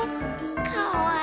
かわいい。